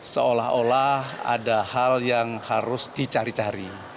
seolah olah ada hal yang harus dicari cari